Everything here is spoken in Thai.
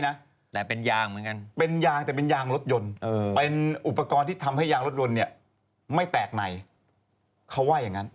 น้ำดาบนั้นใส่เข้าไปแล้วทำให้ร้องมัน